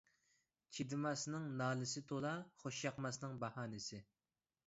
چىدىماسنىڭ نالىسى تۇلا، خوش ياقماسنىڭ باھانىسى.